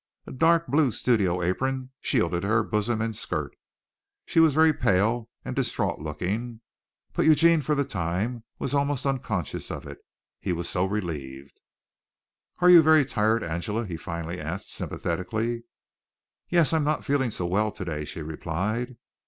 A dark blue studio apron shielded her bosom and skirt. She was very pale and distraught looking, but Eugene for the time was almost unconscious of it he was so relieved. "Are you very tired, Angela?" he finally asked sympathetically. "Yes, I'm not feeling so well today," she replied.